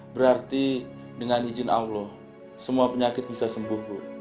berarti dengan izin allah semua penyakit bisa sembuh bu